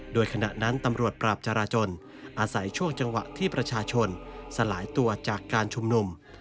โดยขณะนั้นตำรวจปราบจราจนอาศัยช่วงจังหวะที่ประชาชนสลายตัวจากการชุมนุม